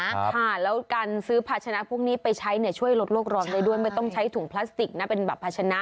ค่ะแล้วการซื้อภาชนะพวกนี้ไปใช้เนี่ยช่วยลดโลกร้อนได้ด้วยไม่ต้องใช้ถุงพลาสติกนะเป็นแบบภาชนะ